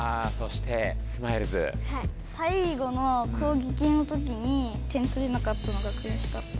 最後の攻撃のときに点とれなかったのがくやしかった。